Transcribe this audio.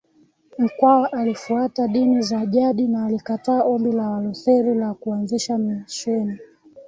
Mkwawa alifuata dini za jadi na alikataa ombi la Walutheri la kuanzisha misheni